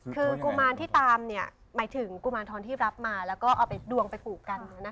คือกุมารที่ตามหมายถึงกุมารทองที่รับมาแล้วก็เอาไปดวงไปผูกกัน